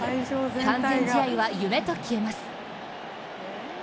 完全試合は夢と消えます。